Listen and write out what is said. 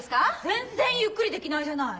全然ゆっくりできないじゃない。